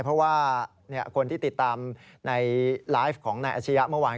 เพราะว่าคนที่ติดตามในไลฟ์ของนายอาชียะเมื่อวาน